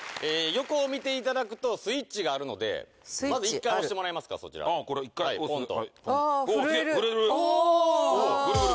横を見ていただくとスイッチがあるのでまず１回押してもらえますかそちらああこれ１回押すはいポンとすげえ震えるうんブルブル